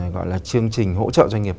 gọi là chương trình hỗ trợ doanh nghiệp